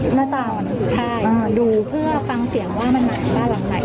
หน้าตาใช่ดูเพื่อฟังเสียงว่ามันมาจากบ้านหลังไหน